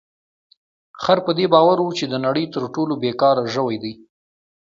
خر په دې باور و چې د نړۍ تر ټولو بې کاره ژوی دی.